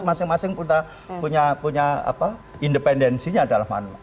masing masing punya independensinya dalam hal ini